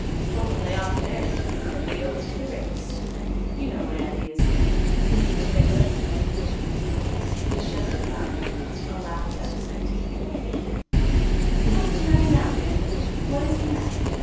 Told them they ought to marry; that they owed it to the race. You know my ideas, Daniel. Think they will?" The shepherd laughed, a laugh that was good to hear. "What's the matter now, Daniel? What is the matter?